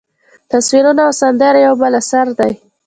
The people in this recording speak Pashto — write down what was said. تصویرونه او سندرې یو بل اثر دی.